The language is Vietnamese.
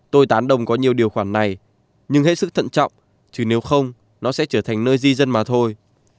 tôi tán đồng có nhiều điều khoản này nhưng hết sức thận trọng chứ nếu không nó sẽ trở thành nơi di dân mà thôi